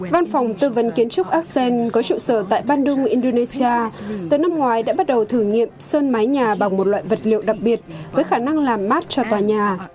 văn phòng tư vấn kiến trúc axen có trụ sở tại bandung indonesia tới năm ngoái đã bắt đầu thử nghiệm sơn mái nhà bằng một loại vật liệu đặc biệt với khả năng làm mát cho tòa nhà